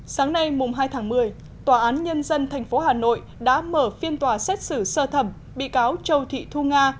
sáng nay hai tháng một mươi tòa án nhân dân tp hà nội đã mở phiên tòa xét xử sơ thẩm bị cáo châu thị thu nga